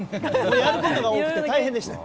やることが多くて大変でした。